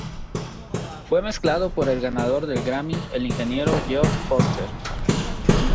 Fue mezclado por el ganador del Grammy, el ingeniero Geoff Foster.